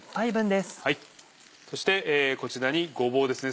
そしてこちらにごぼうですね。